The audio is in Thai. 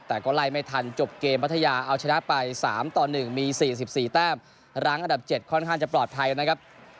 แต่ก็ไล่ไม่ทันจบเกมพัทยาเอาชนะไป๓ต่อ๑มี๔๔แต้มรั้งอันดับ๗ค่อนข้างจะปลอดภัยนะครับ